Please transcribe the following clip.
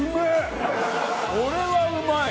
これはうまい！